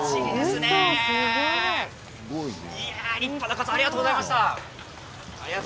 立派なかつおありがとうございました。